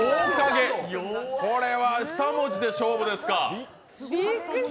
これは２文字で勝負ですか。